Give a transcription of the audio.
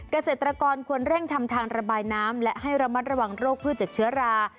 เกษตรกรควรเร่งทำทางระบายน้ำและให้ระมัดระวังโรคพืชจากเชื้อรา